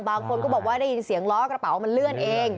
บางคนก็บอกว่าได้ยินเสียงล้อกระเป๋ามันเลื่อนเอง